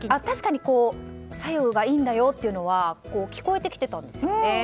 確かに白湯がいいんだよっていうのは聞こえてきてたんですよね。